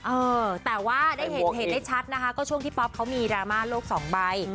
เออแต่ว่าได้เห็นได้ชัดนะคะก็ช่วงที่ป๊อปเขามีดราม่าโลกสองใบ